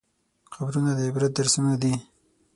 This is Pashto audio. قبرونه د عبرت درسونه دي.